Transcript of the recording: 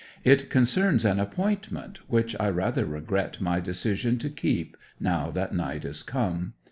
It concerns an appointment, which I rather regret my decision to keep now that night is come.